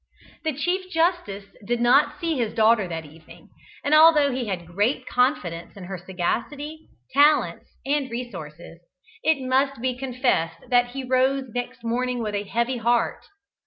The Chief Justice did not see his daughter that evening, and although he had great confidence in her sagacity, talents, and resources, it must be confessed that he rose next morning with a heavy heart.